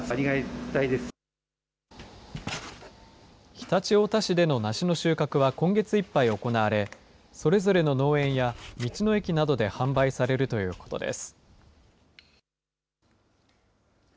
常陸太田市での梨の収穫は今月いっぱい行われ、それぞれの農園や、道の駅などで販売されるということです。